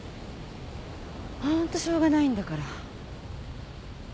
ホントしょうがないんだから。